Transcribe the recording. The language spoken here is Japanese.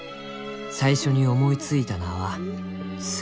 「最初に思いついた名は『スミレ』。